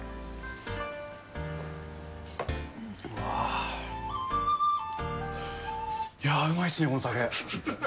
うわー、いやー、うまいっすね、この酒。